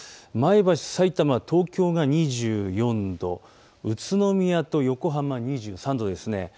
前橋、さいたま、東京が２４度、宇都宮と横浜２３度ですね。